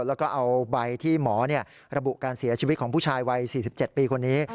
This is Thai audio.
แล้วก็เอาใบที่หมอระบุการเสียชีวิตของผู้ชายวัย๔๗ปีคนนี้